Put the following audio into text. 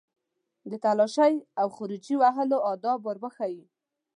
د تالاشۍ او خروجي وهلو آداب ور وښيي.